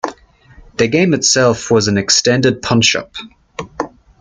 The game itself was an extended punch-up.